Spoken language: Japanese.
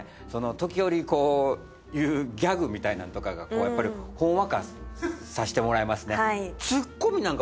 時折言うギャグみたいなのとかがやっぱりほんわかさせてもらいますね